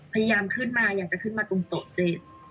พยายามขึ้นมาอยากจะขึ้นมาตรงโต๊ะเจ๊